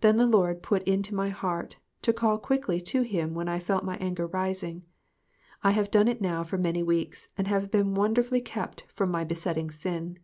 Then the Lord put it into my heart to call quickly to him when I felt my anger rising. I have done it now for many weeks, and have been wonder fully kept from my besetting sin.